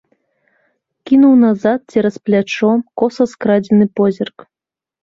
Кінуў назад, цераз плячо, коса скрадзены позірк.